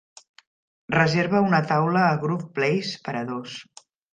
reserva una taula a Grove Place per a dos